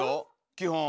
基本。